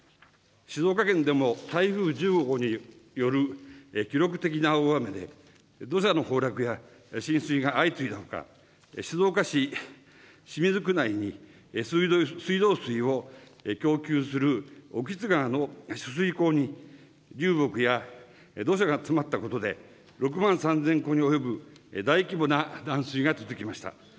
静岡県でも台風１５号による記録的な大雨で、土砂の崩落や浸水が相次いだほか、静岡市清水区内に水道水を供給する興津川の取水口に、流木や土砂が詰まったことで、６万３０００戸におよぶ大規模な断水が続きました。